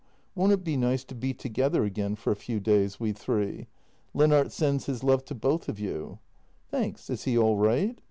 Won't it be nice to be together again for a few days, we three? Lennart sends his love to both of you." " Thanks — is he all right?